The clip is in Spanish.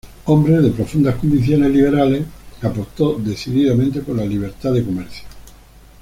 Hombre de profundas convicciones liberales, apostó decididamente por la libertad de comercio.